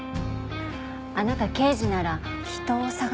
あなた刑事なら人を捜せない？